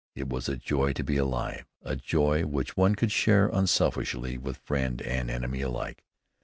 It was a joy to be alive, a joy which one could share unselfishly with friend and enemy alike.